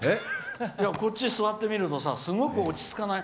こっちに座ってみるとすごく落ち着かない。